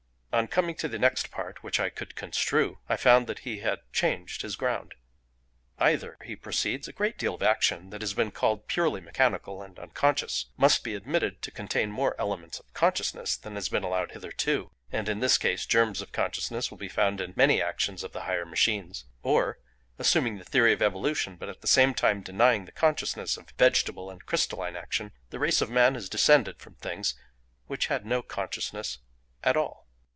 On coming to the next part which I could construe, I found that he had changed his ground. "Either," he proceeds, "a great deal of action that has been called purely mechanical and unconscious must be admitted to contain more elements of consciousness than has been allowed hitherto (and in this case germs of consciousness will be found in many actions of the higher machines)—Or (assuming the theory of evolution but at the same time denying the consciousness of vegetable and crystalline action) the race of man has descended from things which had no consciousness at all.